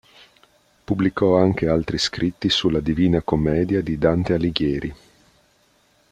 Pubblicò anche altri scritti sulla "Divina commedia" di Dante Alighieri.